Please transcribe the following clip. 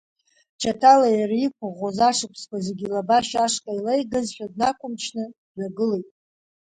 Чаҭала иара иқәыӷәӷәоз ашықәсқәа зегьы илабашьа ашҟа илаигазшәа, днақәымчын, дҩагылеит.